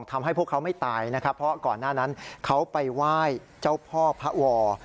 ทำให้พวกเขาไม่ตายนะครับเพราะก่อนหน้านั้นเขาไปไหว้เจ้าพ่อพระวอ